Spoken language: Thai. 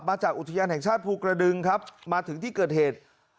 ที่มาจากอุติภัณฑ์แหงชาติภูกระดึงมาถึงที่เกิดเหตุ